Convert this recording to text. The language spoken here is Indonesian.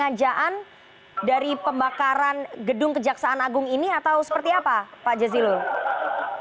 pengajaan dari pembakaran gedung kejaksaan agung ini atau seperti apa pak jazilul